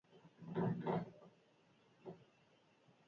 Belarrietako jolasa ezkien azken loreen usainak janzten du.